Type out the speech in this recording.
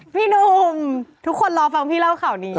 หนุ่มทุกคนรอฟังพี่เล่าข่าวนี้